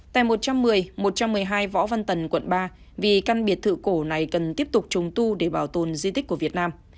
tại một trăm một mươi một trăm một mươi hai võ văn tần quận ba vì căn biệt thự cổ này cần tiếp tục trùng tu để bảo tồn di tích của việt nam